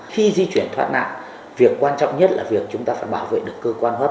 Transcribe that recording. khi di chuyển thoát nạn việc quan trọng nhất là việc chúng ta phải bảo vệ được cơ quan hấp